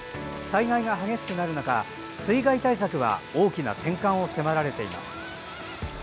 災害が激しくなる中水害対策は大きな転換を迫られています。